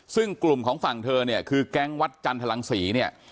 ซึ่งกลุ่มของฝั่งเธอเนี่ยคือแก๊งวัดจันทรังศรีเนี่ย